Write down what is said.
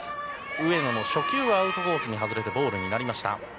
上野の初球アウトコースに外れてボールになりました。